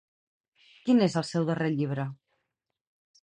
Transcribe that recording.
Quin és el seu darrer llibre?